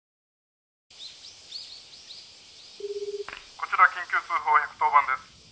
「こちら緊急通報１１０番です」